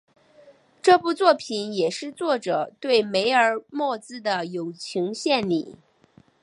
这部作品也是作者对梅尔莫兹的友情献礼。